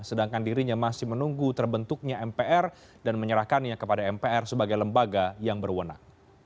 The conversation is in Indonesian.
sedangkan dirinya masih menunggu terbentuknya mpr dan menyerahkannya kepada mpr sebagai lembaga yang berwenang